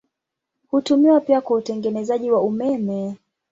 Hutumiwa pia kwa utengenezaji wa umeme.